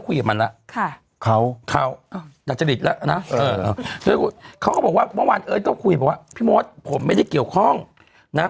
เขาก็บอกว่าเมื่อวานเอิ้ยต้องคุยบอกว่าพี่มศผมไม่ได้เกี่ยวข้องนะ